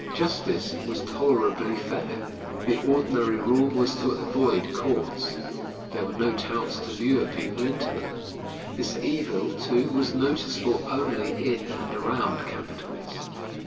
Justice was tolerably fair. The ordinary rule was to avoid courts. There were no touts to lure people into them. This evil, too, was noticeable only in and around capitals.